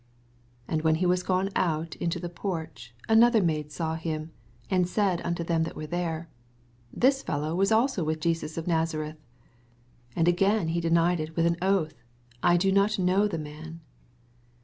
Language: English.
• 71 And when he was gone out into the porch, another maids&w him^d said unto them that were there. This fellow v/ob also with Jesus of Nazareth. 72 And again he denied with an oath, I do not know the nan.